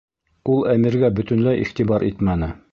Ул Әмиргә бөтөнләй иғтибар итмәне.